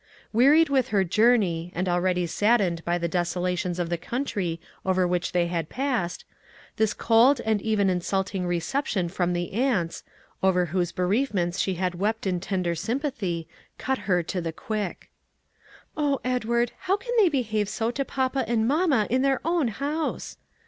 Wearied with her journey, and already saddened by the desolations of the country over which they had passed, this cold, and even insulting reception from the aunts over whose bereavements she had wept in tender sympathy cut her to the quick. "Oh, Edward, how can they behave so to papa and mamma in their own house!"